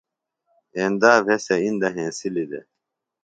ایندا بھےۡ سےۡ اِندہ ہینسِلہ دےۡ